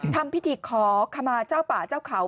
ทำพิธีขอขมาเจ้าป่าเจ้าเขา